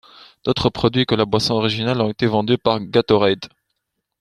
D'autres produits que la boisson originale ont été vendus par Gatorade.